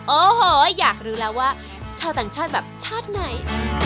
โอ้โหอยากรู้แล้วว่าชาวต่างชาติแบบชาติไหน